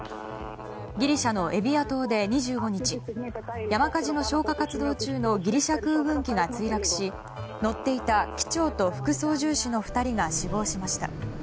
ギリシャのエビア島で２５日山火事の消火活動中のギリシャ空軍機が墜落し乗っていた機長と副操縦士の２人が死亡しました。